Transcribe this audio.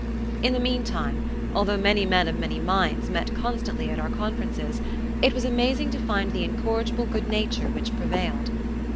In the meantime, although many men of many minds met constantly at our conferences, it was amazing to find the incorrigible good nature which prevailed.